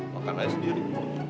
makan aja sendiri